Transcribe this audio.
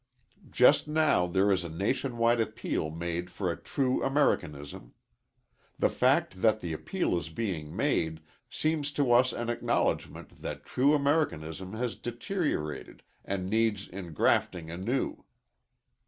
Just now there is a nation wide appeal made for a true Americanism. The fact that the appeal is being made, seems to us an acknowledgment that true Americanism has deteriorated and needs ingrafting anew.